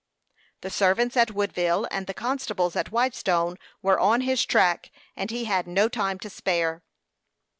The servants at Woodville and the constables at Whitestone were on his track, and he had no time to spare.